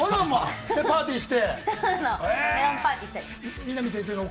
パーティーして。